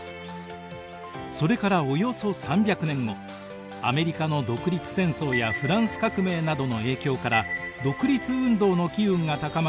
それからおよそ３００年後アメリカの独立戦争やフランス革命などの影響から独立運動の機運が高まり